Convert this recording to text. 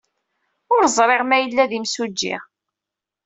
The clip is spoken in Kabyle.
Ur ẓriɣ ma yella d imsujji.